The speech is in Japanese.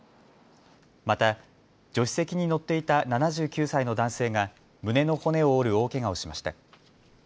また助手席に乗っていた７９歳の男性が胸の骨を折る大けがをしました。